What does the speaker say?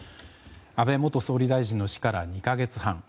安倍元総理大臣の死から２か月半。